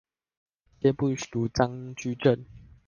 皆不如張居正